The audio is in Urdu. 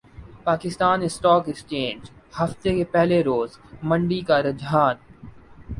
پاکستان اسٹاک ایکسچینج ہفتے کے پہلے روز مندی کا رحجان